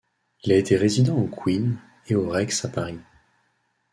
Il a été résident au Queen et au Rex à Paris.